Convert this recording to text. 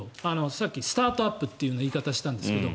さっきスタートアップという言い方をしたんですけど。